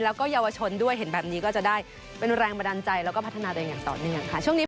แล้วก็เยาวชนด้วยเห็นแบบนี้ก็จะได้เป็นแรงบันดาลใจแล้วก็พัฒนาตัวเองอย่างต่อเนื่องค่ะช่วงนี้